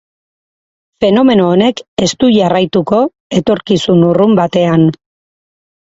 Fenomeno honek ez du jarraituko etorkizun urrun batean.